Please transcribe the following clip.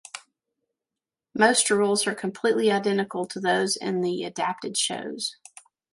Most rules are completely identical to those in the adapted shows.